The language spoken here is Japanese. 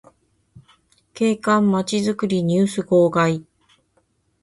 景観まちづくりニュース号外